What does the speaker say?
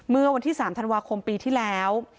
เมื่อวันที่๓ธันวาคมปีที่แล้ว